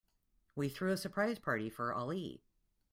We threw a surprise birthday party for Ali.